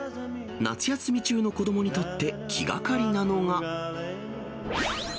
夏休み中の子どもにとって、気がかりなのが。